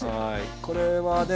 これはね